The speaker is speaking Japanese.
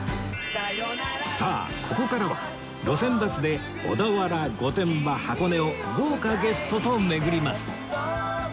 さあここからは路線バスで小田原御殿場箱根を豪華ゲストと巡ります